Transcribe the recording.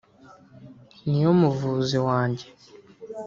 niyo muvuzi wanjye